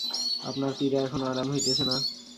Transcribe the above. আপনার পীড়া এখনও আরাম হইতেছে না।